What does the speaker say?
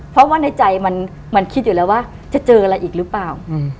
เพราะว่าในใจมันคิดอยู่แล้วว่าจะเจออะไรอีกหรือเปล่า